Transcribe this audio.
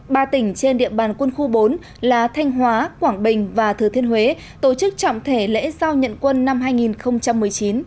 ba tỉnh trên địa bàn quân khu bốn là thanh hóa quảng bình và thừa thiên huế tổ chức trọng thể lễ giao nhận quân năm hai nghìn một mươi chín